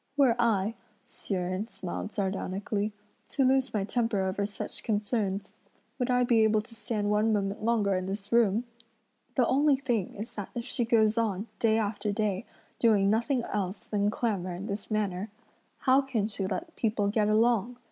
"Were I," Hsi Jen smiled sardonically, "to lose my temper over such concerns, would I be able to stand one moment longer in this room? The only thing is that if she goes on, day after day, doing nothing else than clamour in this manner, how can she let people get along?